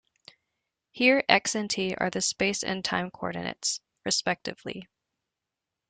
Here x and t are the space and time coordinates, respectively.